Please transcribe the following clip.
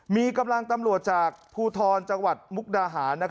มีกำลังตำรวจจากภูทรจังหวัดมุกดาหาร